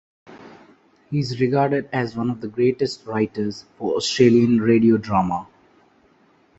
He is regarded as one of the greatest writers for Australian radio drama.